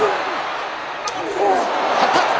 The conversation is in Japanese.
張った。